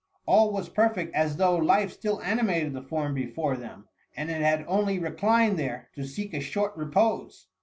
All was perfect as though life still animated the form before them, and it had only reclined there to seek a short repose.